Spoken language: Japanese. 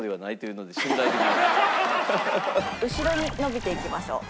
後ろに伸びていきましょう。